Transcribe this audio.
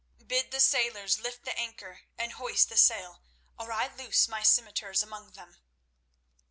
Bid the sailors lift the anchor and hoist the sail, or I loose my scimitars among them."